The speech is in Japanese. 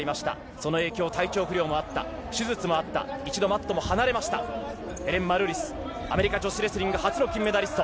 その影響、体調不良もあった、手術もあった、一度マットも離れました、ヘレン・マルーリス、アメリカ女子レスリング初の金メダリスト。